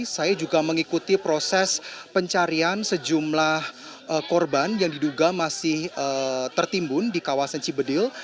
saya juga mengikuti proses pencarian sejumlah korban yang diduga masih tertimbun di kawasan cibedil